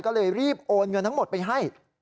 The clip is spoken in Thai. ก็เลยรีบโอนเงินทั้งหมดไปให้